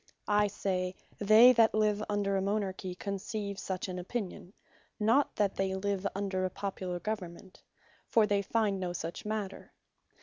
I say, they that live under a Monarchy conceive such an opinion; not they that live under a Popular Government; for they find no such matter.